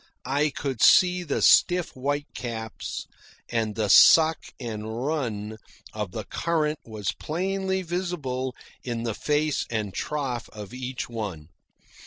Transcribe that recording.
I could see the stiff whitecaps, and the suck and run of the current was plainly visible in the face and trough of each one.